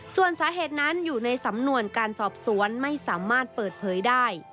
ส่วนสาเหตุนั้นอยู่ในสำนวนการสอบสวนไม่สามารถเปิดเผยได้